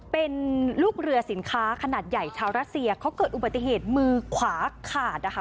เป็นลูกเรือสินค้าขนาดใหญ่ชาวรัสเซียเขาเกิดอุบัติเหตุมือขวาขาดนะคะ